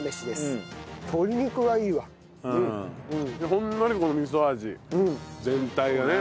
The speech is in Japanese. ほんのりこの味噌味全体がね。